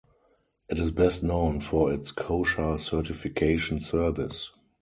It is best known for its kosher certification service.